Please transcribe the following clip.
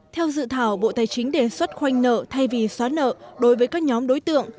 theo dự thảo bộ tài chính đề xuất khoanh nợ thay vì xóa nợ đối với các nhóm đối tượng